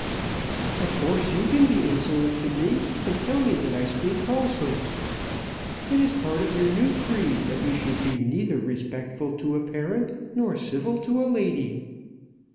"Of course you can be insolent to me, and tell me that I speak falsehoods. It is part of your new creed that you should be neither respectful to a parent, nor civil to a lady."